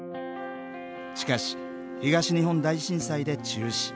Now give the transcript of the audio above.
しかし東日本大震災で中止。